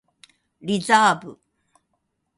リザーブ